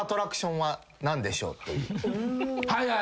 はいはい